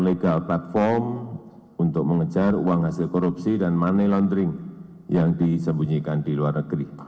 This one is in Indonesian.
legal platform untuk mengejar uang hasil korupsi dan money laundering yang disembunyikan di luar negeri